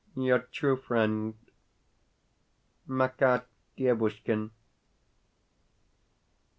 Your true friend, MAKAR DIEVUSHKIN.